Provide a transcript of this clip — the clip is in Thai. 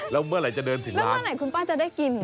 แล้วเมื่อไหร่จะเดินถึงแล้วเมื่อไหร่คุณป้าจะได้กิน